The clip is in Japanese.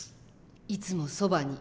「いつもそばに」。